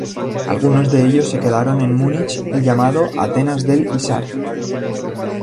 Algunos de ellos se quedaron en Múnich, el llamado "Atenas del" "Isar.